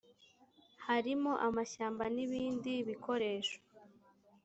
harimo amashyamba n ibindi bikoresho